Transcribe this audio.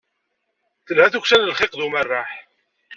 Telha tukksa n lxiq d umerreḥ.